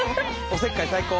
おせっかい最高。